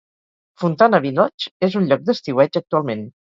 Fontana Village és un lloc d'estiueig actualment.